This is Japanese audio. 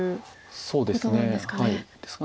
そうですね。